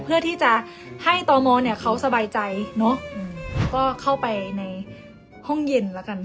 เพื่อที่จะให้ตมเนี่ยเขาสบายใจเนอะก็เข้าไปในห้องเย็นแล้วกัน